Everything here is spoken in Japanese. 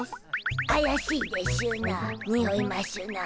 あやしいでしゅな。においましゅな。